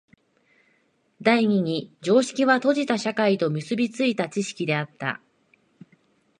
第二に常識は閉じた社会と結び付いた知識であった。